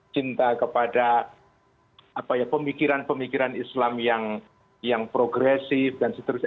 cinta kepada pemikiran pemikiran islam yang progresif dan seterusnya